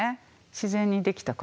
自然にできた感じ？